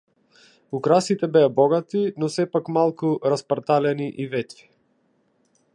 Украсите беа богати, но сепак малку распарталени и ветви.